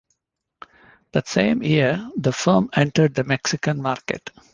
That same year, the firm entered the Mexican market.